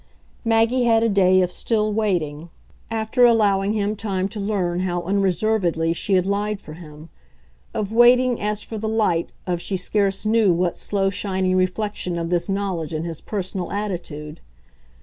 Maggie had a day of still waiting, after allowing him time to learn how unreservedly she had lied for him of waiting as for the light of she scarce knew what slow shining reflection of this knowledge in his personal attitude.